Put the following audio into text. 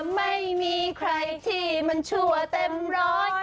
ไม่มีใครที่มันชั่วเต็มร้อย